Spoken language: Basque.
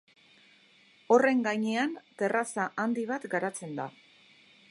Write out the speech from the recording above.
Horren gainean terraza handi bat garatzen da.